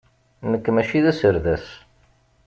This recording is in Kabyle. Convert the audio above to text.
Nekk mačči d aserdas.